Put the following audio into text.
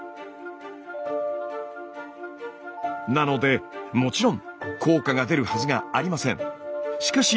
なのでもちろん効果が出るはずがありません。